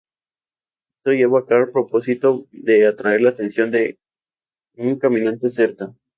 Esto lleva a Carl propósito de atraer la atención de un caminante cerca.